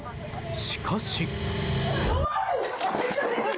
しかし。